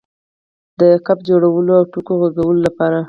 د ګپ جوړولو او ټوکو غځولو لپاره.